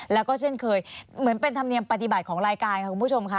แล้วก็เช่นเคยเหมือนเป็นธรรมเนียมปฏิบัติของรายการค่ะคุณผู้ชมค่ะ